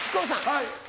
はい。